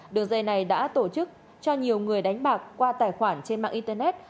đường dây này đã tổ chức cho nhiều người đánh bạc qua tài khoản trên mạng internet